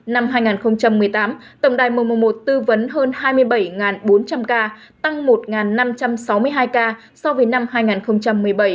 năm hai nghìn một mươi tám tổng đài một trăm một mươi một tư vấn hơn hai mươi bảy bốn trăm linh ca tăng một năm trăm sáu mươi hai ca so với năm hai nghìn một mươi bảy